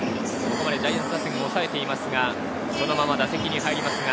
ここまでジャイアンツ打線を抑えていますが、そのまま打席に入ります。